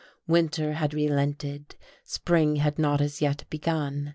Winter had relented, spring had not as yet begun.